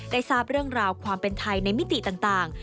ทราบเรื่องราวความเป็นไทยในมิติต่าง